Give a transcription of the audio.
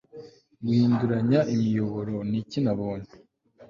guhinduranya imiyoboro niki nabonye